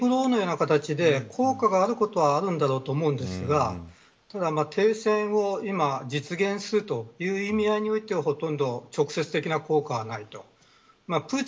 ボディーブローのような形で効果があることはあるんだろうと思うんですがただ停戦を今、実現するという意味合いにおいてはほとんど直接的な効果はない。